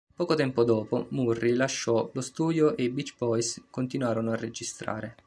Poco tempo dopo, Murry lasciò lo studio e i Beach Boys continuarono a registrare.